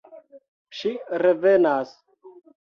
Ŝi revenas.